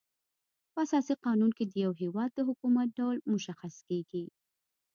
په اساسي قانون کي د یو هيواد د حکومت ډول مشخص کيږي.